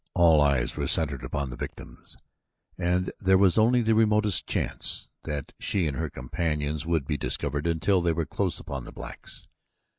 All eyes were centered upon the victims, and there was only the remotest chance that she and her companions would be discovered until they were close upon the blacks.